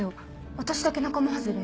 私だけ仲間外れ？